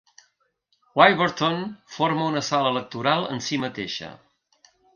Wyberton forma una sala electoral en si mateixa.